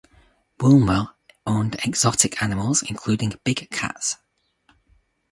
Wombwell owned exotic animals including big cats.